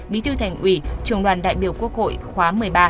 bí thư thành ủy trường đoàn đại biểu quốc hội khóa một mươi ba